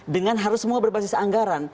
dengan harus semua berbasis anggaran